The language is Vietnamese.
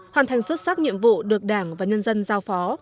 hoàn thành xuất sắc nhiệm vụ được đảng và nhân dân giao phó